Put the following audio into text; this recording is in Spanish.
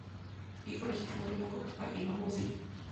Hijo legítimo de Manco Cápac y Mama Ocllo.